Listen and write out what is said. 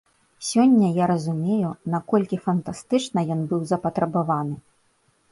Сёння я разумею, наколькі фантастычна ён быў запатрабаваны.